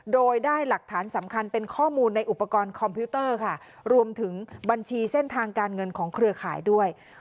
โดยได้หลักฐานสำคัญเป็นข้อมูลในอุปกรณ์คอมพิวเตอร์ค่ะรวมถึงบัญชีเส้นทางการเงินของเครือข่ายด้วย